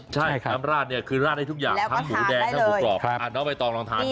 ใช่น้ำราดเนี่ยคือราดได้ทุกอย่างทั้งหมูแดงทั้งหมูกรอบน้องใบตองลองทานดู